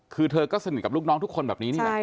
คือเธอก็สนิทกับลูกน้องทุกคนแบบนี้นี่แหละ